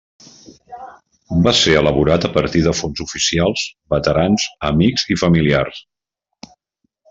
Va ser elaborat a partir de fonts oficials, veterans, amics i familiars.